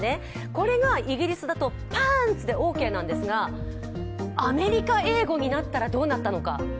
これがイギリスだと「パーンツ！」でＯＫなんですがアメリカ英語になったらどうだったのか。